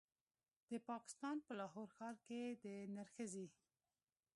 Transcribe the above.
د پاکستان په لاهور ښار کې د نرښځې